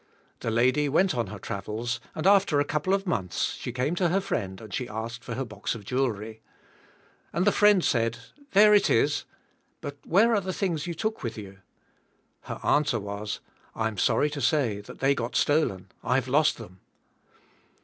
The lady went on her travels and after a couple of months she came to her friend and she asked for her box of jewelry. And the friend said, There it is," but where are the things you took with pou? Her answer was: *'I am sorry to say that they got stolen, I have lost them.